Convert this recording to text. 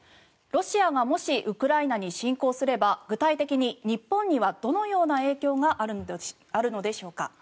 ロシアがもしウクライナに侵攻すれば具体的に日本にはどのような影響があるのでしょうか。